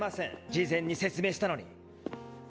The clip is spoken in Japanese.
事前に説明したのに。